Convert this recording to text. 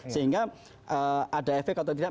sehingga ada efek atau tidak